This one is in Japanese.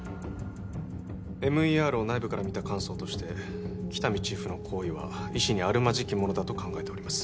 ＭＥＲを内部から見た感想として喜多見チーフの行為は医師にあるまじきものだと考えております